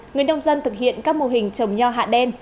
người nông dân thực hiện các mô hình trồng nho hạ đen